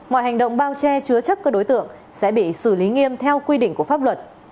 mọi hành động bao che chứa chấp các đối tượng sẽ bị xử lý nghiêm theo quy định của pháp luật